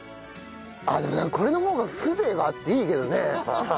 でもこれの方が風情があっていいけどね。